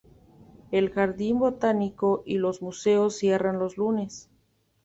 El jardín botánico y los museos cierran los lunes.